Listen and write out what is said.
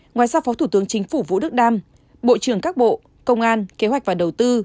ngoài ra phó thủ tướng chính phủ vũ đức đam bộ trưởng các bộ công an kế hoạch và đầu tư